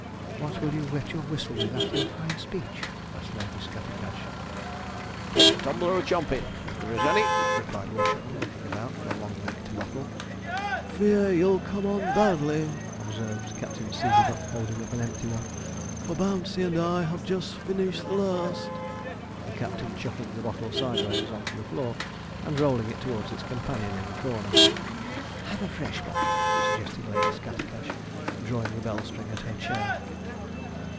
'What will you wet your whistle with after your fine speech?' asked Lady Scattercash. 'Take a tumbler of chumpine, if there is any,' replied Watchorn, looking about for a long necked bottle. 'Fear you'll come on badly,' observed Captain Seedeybuck, holding up an empty one, 'for Bouncey and I have just finished the last'; the captain chucking the bottle sideways on to the floor, and rolling it towards its companion in the corner. 'Have a fresh bottle,' suggested Lady Scattercash, drawing the bell string at her chair.